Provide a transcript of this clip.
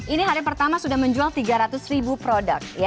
ini hari pertama sudah menjual tiga ratus ribu produk